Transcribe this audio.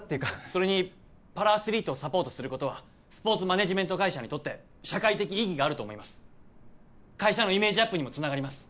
それにパラアスリートをサポートすることはスポーツマネージメント会社にとって社会的意義があると思います会社のイメージアップにもつながります